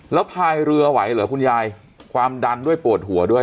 แล้วพายเรือไหวเหรอคุณยายความดันด้วยปวดหัวด้วย